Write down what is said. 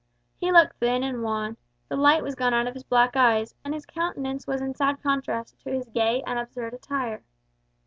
He looked thin and wan, the light was gone out of his black eyes, and his countenance was in sad contrast to his gay and absurd attire.